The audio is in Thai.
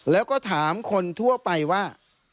แล้วก็ถามคนทั่วไปว่า